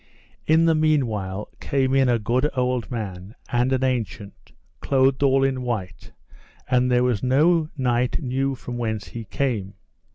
In the meanwhile came in a good old man, and an ancient, clothed all in white, and there was no knight knew from whence he came.